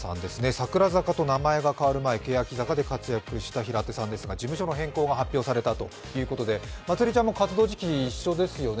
櫻坂と名前が変わる前、欅坂で活躍した平手さんですが、事務所の変更が発表されたということでまつりちゃんも活動時期、一緒ですよね？